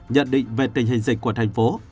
nhận định về tình hình dịch của thành phố